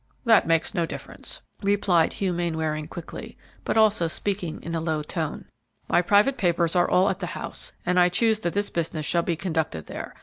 "That makes no difference," replied Hugh Mainwaring, quickly, but also speaking in a low tone; "my private papers are all at the house, and I choose that this business shall be conducted there.